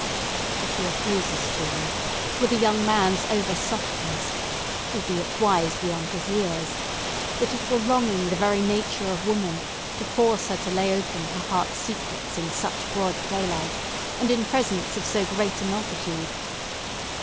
But he opposes to me—with a young man's over softness, albeit wise beyond his years—that it were wronging the very nature of woman to force her to lay open her heart's secrets in such broad daylight, and in presence of so great a multitude.